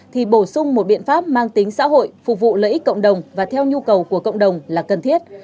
thì bổ sung một biện pháp mang tính xã hội phục vụ lợi ích cộng đồng và theo nhu cầu của cộng đồng là cần thiết